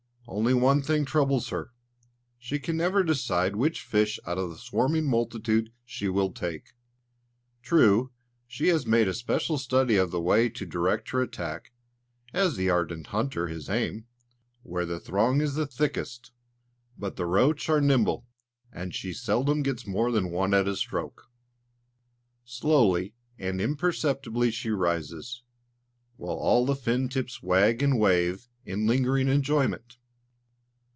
Only one thing troubles her; she can never decide which fish out of the swarming multitude she will take. True, she has made a special study of the way to direct her attack as the ardent hunter his aim where the throng is thickest; but the roach are nimble, and she seldom gets more than one at a stroke. Slowly and imperceptibly she rises, while all the fin tips wag and wave in lingering enjoyment.